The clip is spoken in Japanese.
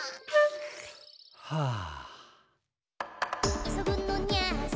はあ。